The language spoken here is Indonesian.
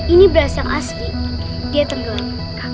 ini beras yang asli dia tendang